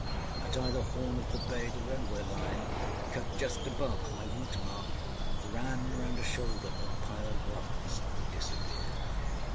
At either horn of the bay the railway line, cut just above high water mark, ran round a shoulder of piled rocks, and disappeared.